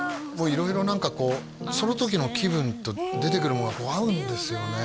色々何かこうその時の気分と出てくるものが合うんですよね